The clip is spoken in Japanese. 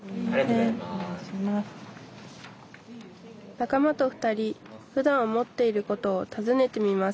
仲間と２人ふだん思っていることをたずねてみます